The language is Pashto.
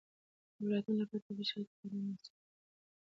د ولایتونو لپاره طبیعي شرایط خورا مناسب دي.